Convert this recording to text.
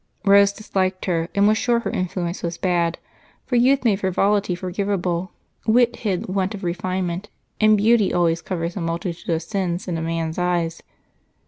Rose disliked her and was sure her influence was bad, for youth made frivolity forgivable, wit hid want of refinement, and beauty always covers a multitude of sins in a man's eyes.